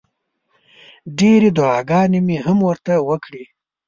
ډېرې دوعاګانې مې هم ورته وکړې.